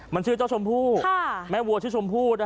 มันชื่อเจ้าชมพู่